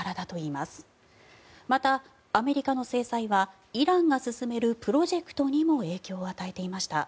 また、アメリカの制裁はイランが進めるプロジェクトにも影響を与えていました。